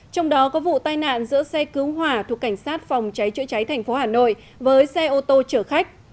trong đó có vụ tai nạn giữa xe cứu hỏa thuộc cảnh sát phòng cháy chữa cháy thành phố hà nội với xe ô tô chở khách